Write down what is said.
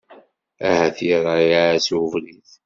Ahat iraε-as ubrid.